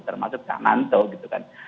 termasuk kak nganto gitu kan